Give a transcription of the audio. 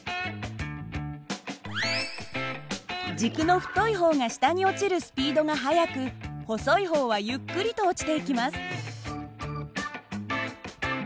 軸の太い方が下に落ちるスピードが速く細い方はゆっくりと落ちていきます。